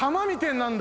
なんだ？